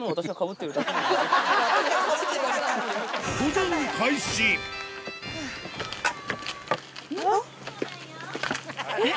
登山開始えっ？